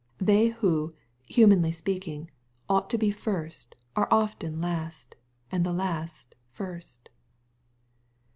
They who, humanly speaking, ought to be first, are often last, and the last first.